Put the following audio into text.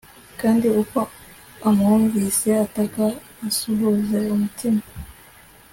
kandi uko amwumvise ataka, asuhuze umutima